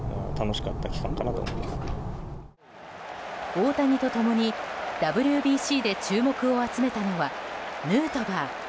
大谷と共に、ＷＢＣで注目を集めたのはヌートバー。